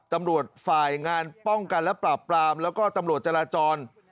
ตำรวจฝ่ายงานป้องกันและปราบปรามแล้วก็ตำรวจจราจร